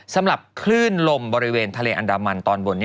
สำหรับคลื่นลมบริเวณทะเลอันดามันตอนบน